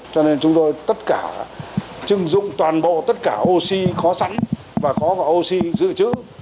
cho nên chúng tôi tất cả chứng dụng toàn bộ tất cả oxy có sẵn và có oxy dự trữ